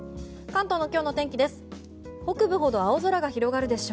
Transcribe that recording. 関東の今日の天気です。